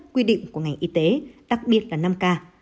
quy định của ngành y tế đặc biệt là năm k